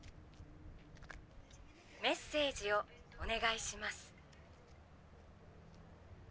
メッセージをおねがいします。